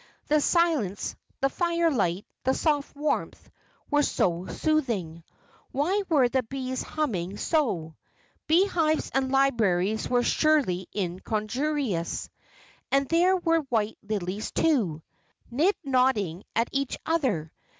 The silence, the firelight, the soft warmth, were so soothing. Why were the bees humming so? Beehives and libraries were surely incongruous. And there were white lilies, too, nid nodding at each other.